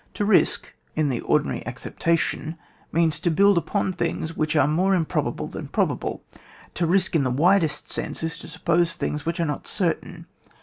To risk, in the ordinary accepta tion, means to build upon things which are more improbable than probable. To risk in the widest sense, is to suppose things which are not certain.